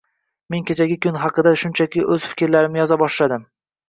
Men kechagi kun haqidagi shunchaki oʻz fiklarimni yoza boshladim